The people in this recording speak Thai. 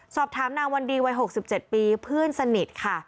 สอบถามนางวันดีวัย๖๗ปีเพื่อนสนิทค่ะ